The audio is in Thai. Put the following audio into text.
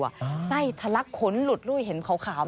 สไศทะลักขนหลุดลุ่ยเห็นขาวไหมคะ